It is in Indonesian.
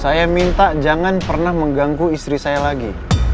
saya minta jangan pernah mengganggu istri saya lagi